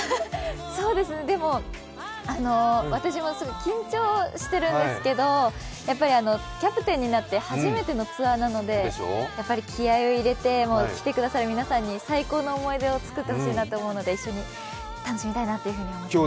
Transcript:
私も緊張してるんですけどやっぱりキャプテンになって初めてのツアーなので、気合いを入れて、来てくださる皆さんに最高の思い出をつくってほしいなと思うので、一緒に楽しみたいなと思います。